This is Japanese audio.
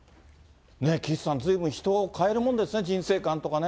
岸さん、ずいぶん人を変えるもんですね、人生観とかね。